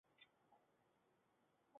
强调探究过程而不是现成的知识。